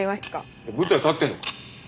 えっ舞台立ってんの？